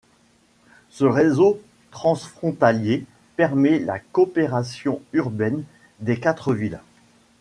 Ce réseau transfrontalier permet la coopération urbaine des quatre villes.